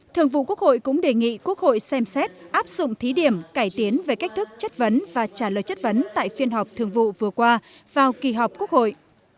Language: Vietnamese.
thường vụ quốc hội cũng đề nghị quốc hội xem xét áp dụng thí điểm cải tiến về cách thức chất vấn và trả lời chất vấn tại phiên họp thường vụ vừa qua vào kỳ họp quốc hội